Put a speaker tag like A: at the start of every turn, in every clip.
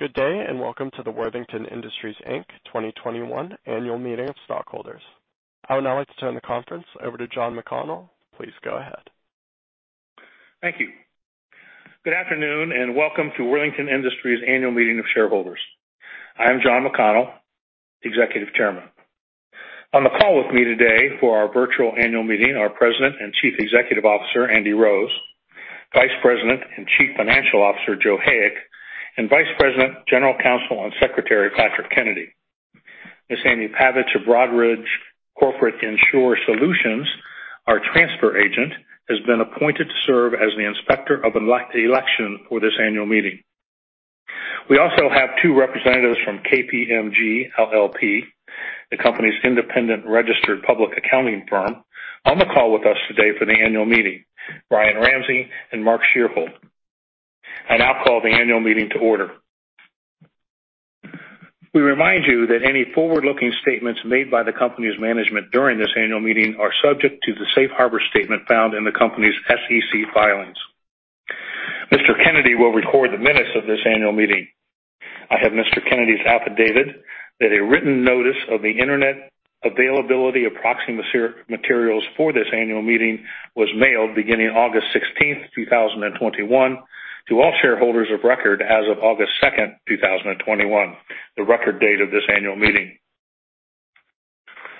A: Good day, and welcome to the Worthington Industries, Inc. 2021 Annual Meeting of Stockholders. I would now like to turn the conference over to John McConnell, please go ahead.
B: Thank you. Good afternoon, welcome to Worthington Industries Annual Meeting of Shareholders. I am John McConnell, Executive Chairman. On the call with me today for our virtual annual meeting, our President and Chief Executive Officer, Andy Rose, Vice President and Chief Financial Officer, Joe Hayek, and Vice President, General Counsel and Secretary, Patrick Kennedy. Ms. Amy Pavich of Broadridge Corporate Issuer Solutions, our transfer agent, has been appointed to serve as the inspector of election for this annual meeting. We also have two representatives from KPMG LLP, the company's independent registered public accounting firm, on the call with us today for the annual meeting, Brian Ramsey and Mark Schierholt. I now call the annual meeting to order. We remind you that any forward-looking statements made by the company's management during this annual meeting are subject to the safe harbor statement found in the company's SEC filings. Mr. Kennedy will record the minutes of this annual meeting. I have Mr. Kennedy's affidavit that a written notice of the internet availability of proxy materials for this annual meeting was mailed beginning August 16, 2021, to all shareholders of record as of August 2, 2021, the record date of this annual meeting.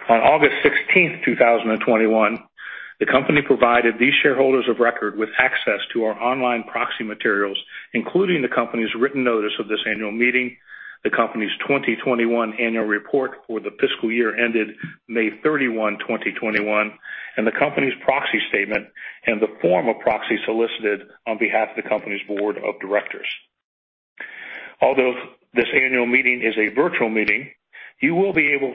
B: On August 16, 2021, the company provided these shareholders of record with access to our online proxy materials, including the company's written notice of this annual meeting, the company's 2021 annual report for the fiscal year ended May 31, 2021, and the company's proxy statement and the form of proxy solicited on behalf of the company's Board of Directors. Although this annual meeting is a virtual meeting, you will be able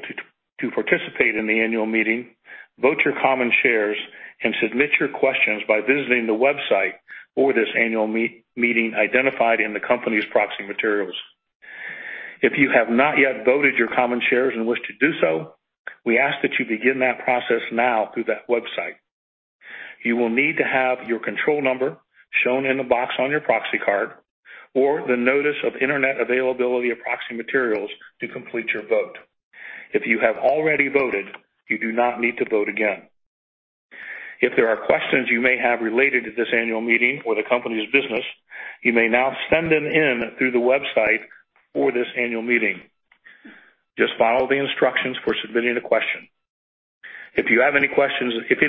B: to participate in the annual meeting, vote your common shares, and submit your questions by visiting the website for this annual meeting identified in the company's proxy materials. If you have not yet voted your common shares and wish to do so, we ask that you begin that process now through that website. You will need to have your control number shown in the box on your proxy card or the notice of internet availability of proxy materials to complete your vote. If you have already voted, you do not need to vote again. If there are questions you may have related to this annual meeting or the company's business, you may now send them in through the website for this annual meeting. Just follow the instructions for submitting a question. If any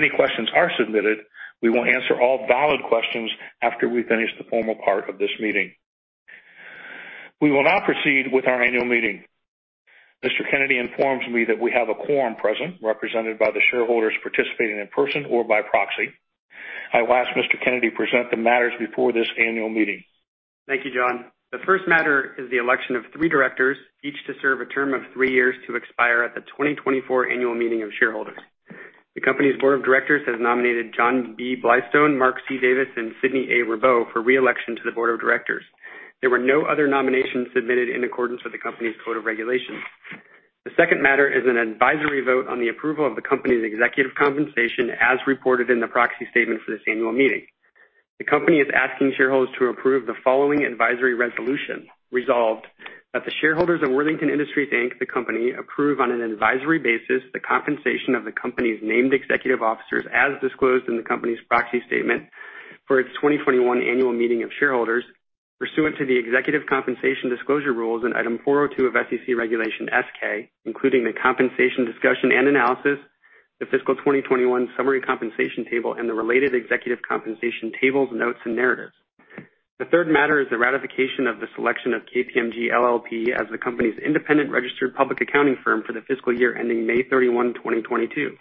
B: questions are submitted, we will answer all valid questions after we finish the formal part of this meeting. We will now proceed with our annual meeting. Mr. Kennedy informs me that we have a quorum present, represented by the shareholders participating in person or by proxy. I will ask Mr. Kennedy to present the matters before this annual meeting.
C: Thank you, John. The first matter is the election of three Directors, each to serve a term of three years to expire at the 2024 Annual Meeting of Shareholders. The company's Board of Directors has nominated John B. Blystone, Mark C. Davis, and Sidney A. Ribeau for re-election to the Board of Directors. There were no other nominations submitted in accordance with the company's Code of Regulations. The second matter is an advisory vote on the approval of the company's executive compensation, as reported in the proxy statement for this annual meeting. The company is asking shareholders to approve the following advisory resolution. Resolved that the shareholders of Worthington Industries, Inc., the company, approve on an advisory basis the compensation of the company's named Executive Officers as disclosed in the company's proxy statement for its 2021 annual meeting of shareholders pursuant to the executive compensation disclosure rules in Item 402 of SEC Regulation S-K, including the compensation discussion and analysis, the fiscal 2021 summary compensation table, and the related executive compensation tables, notes, and narratives. The third matter is the ratification of the selection of KPMG LLP as the company's Independent Registered Public Accounting firm for the fiscal year ending May 31, 2022.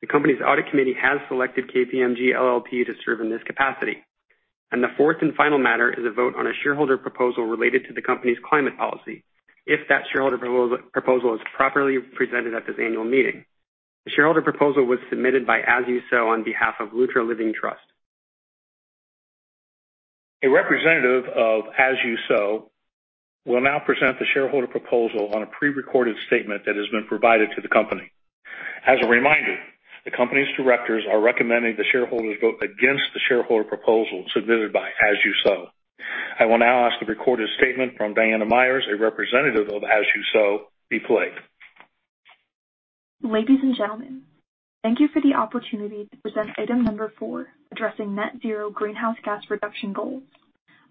C: The company's audit committee has selected KPMG LLP to serve in this capacity. The fourth and final matter is a vote on a shareholder proposal related to the company's climate policy if that shareholder proposal is properly presented at this annual meeting. The shareholder proposal was submitted by As You Sow on behalf of Lutra Living Trust.
B: A Representative of As You Sow will now present the shareholder proposal on a pre-recorded statement that has been provided to the company. As a reminder, the company's directors are recommending the shareholders vote against the shareholder proposal submitted by As You Sow. I will now ask the recorded statement from Diana Myers, a Representative of As You Sow, be played.
D: Ladies and gentlemen, thank you for the opportunity to present item number 4, addressing net zero greenhouse gas reduction goals.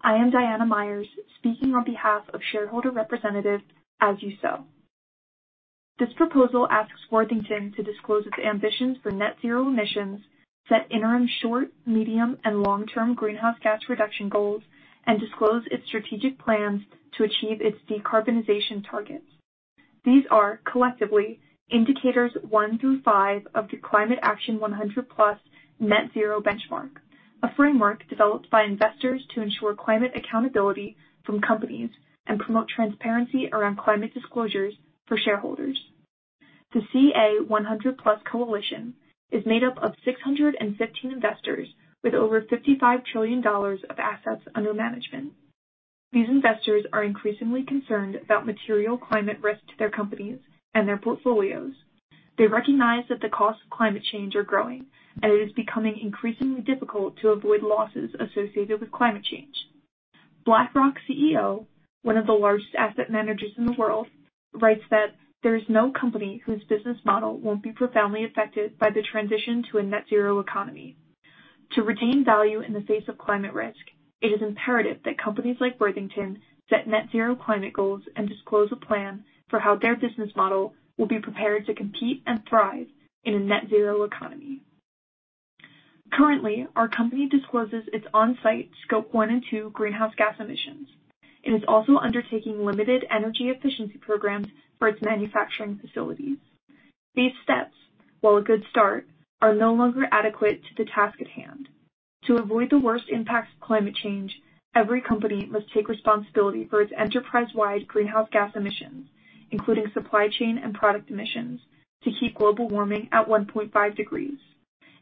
D: I am Diana Myers, speaking on behalf of Shareholder Representative As You Sow. This proposal asks Worthington to disclose its ambitions for net zero emissions, set interim short, medium, and long-term greenhouse gas reduction goals, and disclose its strategic plans to achieve its decarbonization targets. These are collectively indicators one through five of the Climate Action 100+ net zero benchmark, a framework developed by investors to ensure climate accountability from companies and promote transparency around climate disclosures for shareholders. The CA 100+ coalition is made up of 615 investors with over $55 trillion of assets under management. These investors are increasingly concerned about material climate risk to their companies and their portfolios. They recognize that the cost of climate change are growing, and it is becoming increasingly difficult to avoid losses associated with climate change. BlackRock Chief Executive Officer, one of the largest asset managers in the world, writes that there is no company whose business model won't be profoundly affected by the transition to a net zero economy. To retain value in the face of climate risk, it is imperative that companies like Worthington set net zero climate goals and disclose a plan for how their business model will be prepared to compete and thrive in a net zero economy. Currently, our company discloses its on-site scope one and two greenhouse gas emissions. It is also undertaking limited energy efficiency programs for its manufacturing facilities. These steps, while a good start, are no longer adequate to the task at hand. To avoid the worst impacts of climate change, every company must take responsibility for its enterprise-wide greenhouse gas emissions, including supply chain and product emissions, to keep global warming at 1.5 degrees.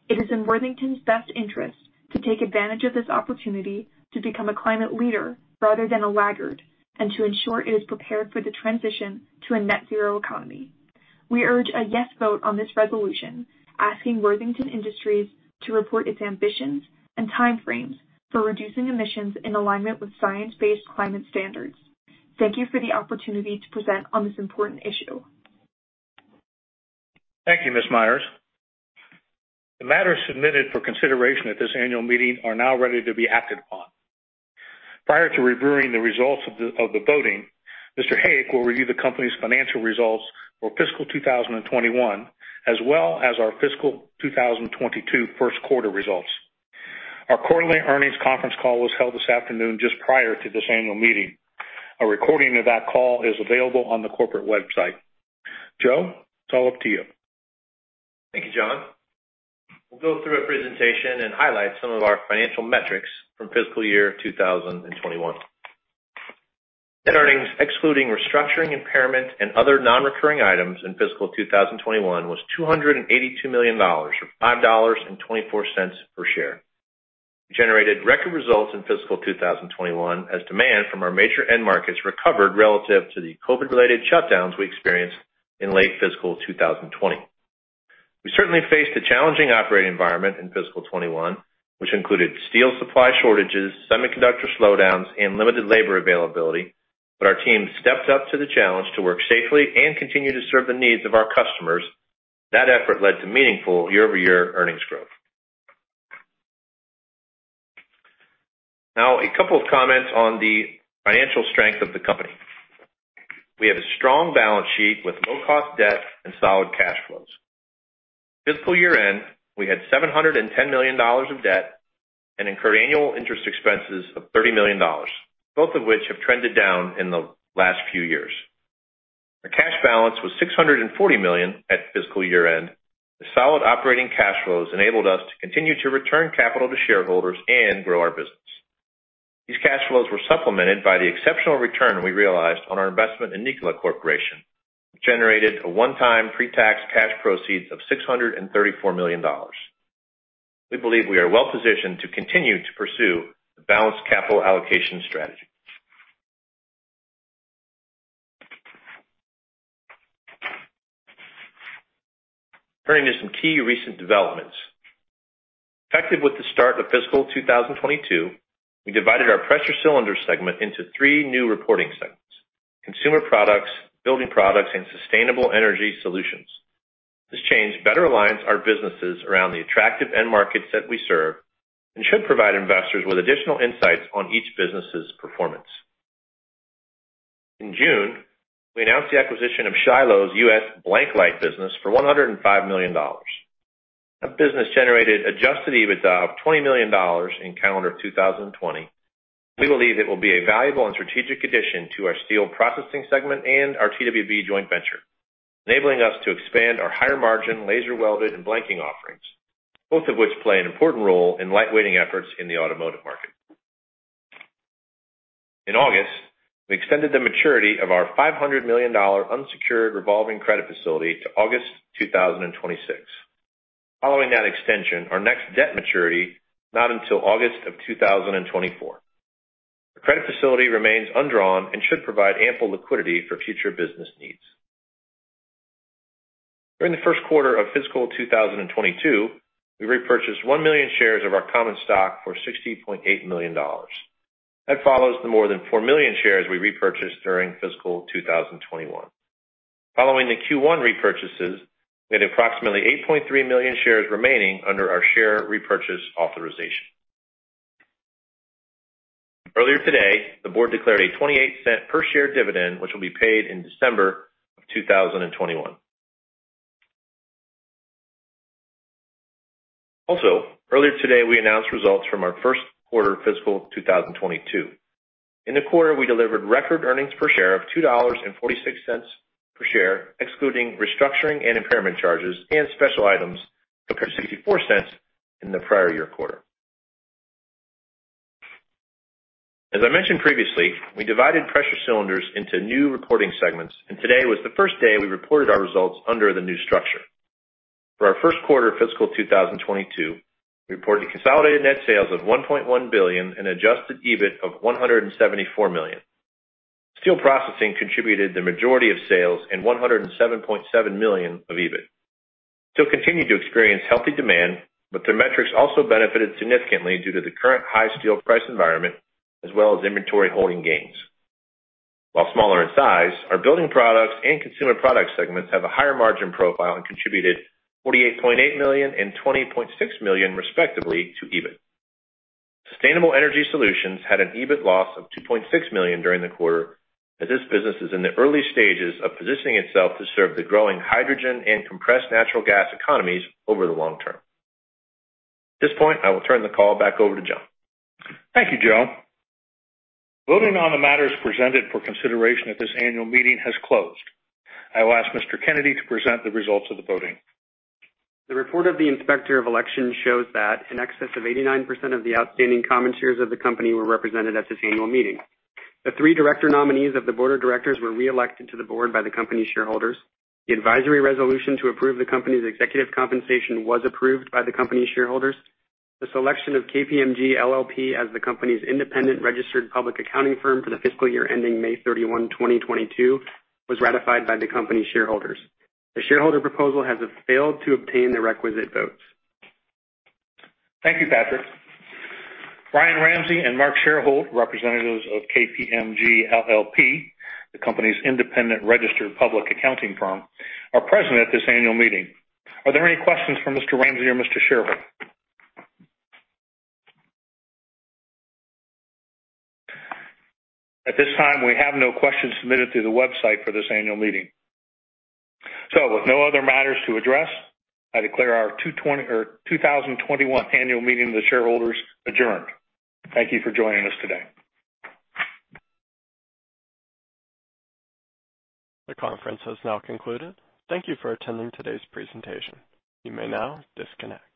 D: It is in Worthington's best interest to take advantage of this opportunity to become a climate leader rather than a laggard, and to ensure it is prepared for the transition to a net zero economy. We urge a yes vote on this resolution, asking Worthington Enterprises to report its ambitions and timeframes for reducing emissions in alignment with science-based climate standards. Thank you for the opportunity to present on this important issue.
B: Thank you, Ms. Myers. The matters submitted for consideration at this annual meeting are now ready to be acted upon. Prior to reviewing the results of the voting, Mr. Hayek will review the company's financial results for fiscal 2021, as well as our fiscal 2022 first quarter results. Our quarterly earnings conference call was held this afternoon just prior to this annual meeting. A recording of that call is available on the corporate website. Joe, it's all up to you.
E: Thank you, John. We'll go through a presentation and highlight some of our financial metrics from fiscal year 2021. Net earnings, excluding restructuring, impairment, and other non-recurring items in fiscal 2021 was $282 million, or $5.24 per share. We generated record results in fiscal 2021 as demand from our major end markets recovered relative to the COVID-related shutdowns we experienced in late fiscal 2020. We certainly faced a challenging operating environment in fiscal 2021, which included steel supply shortages, semiconductor slowdowns, and limited labor availability. Our team stepped up to the challenge to work safely and continue to serve the needs of our customers. That effort led to meaningful year-over-year earnings growth. Now, a couple of comments on the financial strength of the company. We have a strong balance sheet with low-cost debt and solid cash flows. Fiscal year-end, we had $710 million of debt and incurred annual interest expenses of $30 million, both of which have trended down in the last few years. Our cash balance was $640 million at fiscal year-end. The solid operating cash flows enabled us to continue to return capital to shareholders and grow our business. These cash flows were supplemented by the exceptional return we realized on our investment in Nikola Corporation, which generated a one-time pre-tax cash proceeds of $634 million. We believe we are well positioned to continue to pursue the balanced capital allocation strategy. Turning to some key recent developments. Effective with the start of fiscal 2022, we divided our pressure cylinder segment into three new reporting segments: consumer products, building products, and sustainable energy solutions. This change better aligns our businesses around the attractive end markets that we serve and should provide investors with additional insights on each business's performance. In June, we announced the acquisition of Shiloh's U.S. BlankLight business for $105 million. That business generated adjusted EBITDA of $20 million in calendar 2020. We believe it will be a valuable and strategic addition to our Steel Processing segment and our TWB joint venture, enabling us to expand our higher-margin laser welded and blanking offerings, both of which play an important role in light-weighting efforts in the automotive market. In August, we extended the maturity of our $500 million unsecured revolving credit facility to August 2026. Following that extension, our next debt maturity not until August of 2024. The credit facility remains undrawn and should provide ample liquidity for future business needs. During the first quarter of fiscal 2022, we repurchased one million shares of our common stock for $60.8 million. That follows the more than four million shares we repurchased during fiscal 2021. Following the Q1 repurchases, we had approximately 8.3 million shares remaining under our share repurchase authorization. Earlier today, the board declared a $0.28 per share dividend, which will be paid in December of 2021. Earlier today, we announced results from our first quarter fiscal 2022. In the quarter, we delivered record earnings per share of $2.46 per share, excluding restructuring and impairment charges and special items compared to $0.64 in the prior year quarter. As I mentioned previously, we divided pressure cylinders into new reporting segments, and today was the first day we reported our results under the new structure. For our first quarter of fiscal 2022, we reported consolidated net sales of $1.1 billion and adjusted EBIT of $174 million. Steel Processing contributed the majority of sales and $107.7 million of EBIT. Steel continued to experience healthy demand, but their metrics also benefited significantly due to the current high steel price environment, as well as inventory holding gains. While smaller in size, our Building Products and Consumer Products segments have a higher margin profile and contributed $48.8 million and $20.6 million, respectively, to EBIT. Sustainable Energy Solutions had an EBIT loss of $2.6 million during the quarter, as this business is in the early stages of positioning itself to serve the growing hydrogen and compressed natural gas economies over the long term. At this point, I will turn the call back over to John.
B: Thank you, Joe. Voting on the matters presented for consideration at this annual meeting has closed. I will ask Mr. Kennedy to present the results of the voting.
C: The report of the Inspector of Election shows that in excess of 89% of the outstanding common shares of the company were represented at this annual meeting. The three Director nominees of the Board of Directors were reelected to the Board by the company shareholders. The advisory resolution to approve the company's Executive compensation was approved by the company shareholders. The selection of KPMG LLP as the company's independent registered public accounting firm for the fiscal year ending May 31, 2022, was ratified by the company shareholders. The shareholder proposal has failed to obtain the requisite votes.
B: Thank you, Patrick. Brian Ramsey and Mark Schierholt, representatives of KPMG LLP, the company's independent registered public accounting firm, are present at this annual meeting. Are there any questions for Mr. Ramsey or Mr. Schierholt? At this time, we have no questions submitted through the website for this annual meeting. With no other matters to address, I declare our 2021 Annual Meeting of the Shareholders adjourned. Thank you for joining us today.
A: The conference has now concluded. Thank you for attending today's presentation, you may now disconnect.